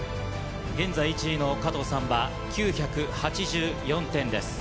現在１位の加藤さんは９８４点です。